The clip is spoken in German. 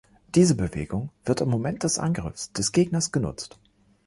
Diese Bewegung wird im Moment des Angriffs des Gegners genutzt.